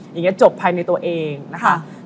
อย่างนี้จบภายในตัวเองนะคะ